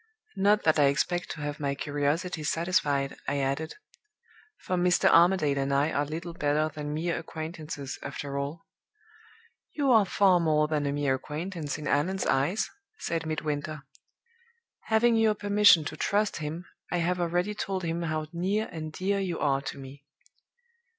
'Not that I expect to have my curiosity satisfied,' I added, 'for Mr. Armadale and I are little better than mere acquaintances, after all.' "'You are far more than a mere acquaintance in Allan's eyes,' said Midwinter. 'Having your permission to trust him, I have already told him how near and dear you are to me.